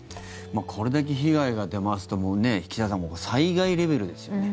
これだけ被害が出ますと岸田さん、災害レベルですよね。